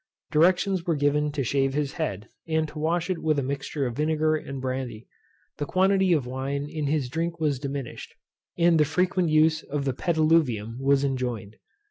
Directions were given to shave his head, and to wash it with a mixture of vinegar and brandy; the quantity of wine in his drink was diminished; and the frequent use of the pediluvium was enjoined.